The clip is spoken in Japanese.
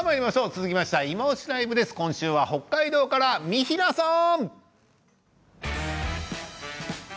続きましては「いまオシ！ＬＩＶＥ」です今週は北海道から三平さん。